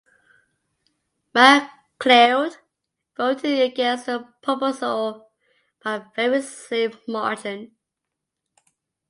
Macleod voted against the proposal by a very slim margin.